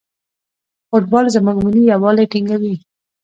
فوټبال زموږ ملي یووالی ټینګوي.